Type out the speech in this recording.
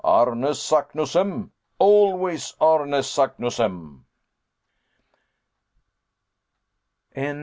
Arne Saknussemm, always Arne Saknussemm!"